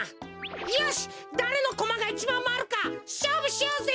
よしだれのコマがいちばんまわるかしょうぶしようぜ！